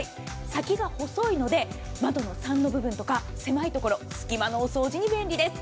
先が細いので窓のサンの部分とか狭い所隙間のお掃除に便利です。